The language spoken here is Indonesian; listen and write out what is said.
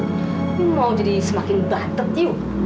ini mau jadi semakin datet yuk